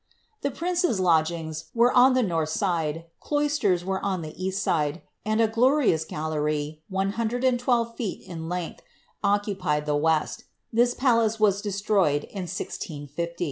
The prince's lodgings were on the north side, cloisters were on the east side, and a glorious gallery, 112 feet in length, occupied the west This palace was destroyed in 1 650.